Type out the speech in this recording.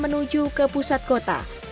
menuju ke pusat kota